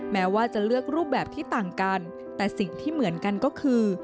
แม้ว่าจะเลือกรูปแบบที่ต่างกันแต่สิ่งที่เหมือนกันก็คือ